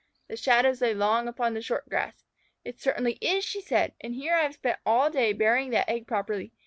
The shadows lay long upon the short grass. "It certainly is," she said. "And here I have spent all day burying that egg properly.